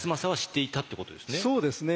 そうですね